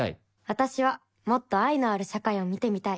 私はもっと愛のある社会を見てみたい。